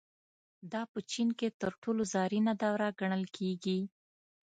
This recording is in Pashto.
دا په چین کې تر ټولو زرینه دوره ګڼل کېږي.